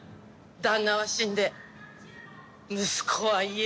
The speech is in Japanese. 旦那は死んで息子は家出。